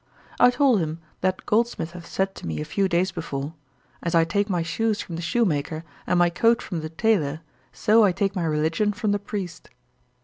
I told him that Goldsmith had said to me a few days before, 'As I take my shoes from the shoemaker, and my coat from the taylor, so I take my religion from the priest.'